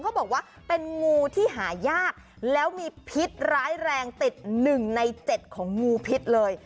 เขาบอกว่าเป็นงูที่หายากแล้วมีพิษร้ายแรงติด๑ใน๗ของงูพิษเลย